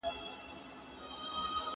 مونږ هره ورځ ښار ته ځو.